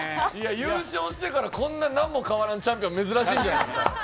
優勝してから、こんななんも変わらんチャンピオン、珍しいんじゃないですか。